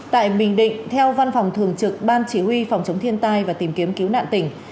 tại bình định theo văn phòng thường trực ban chỉ huy phòng chống thiên tai và tìm kiếm cứu nạn tỉnh